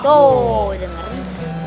tuh dengerin pak saiful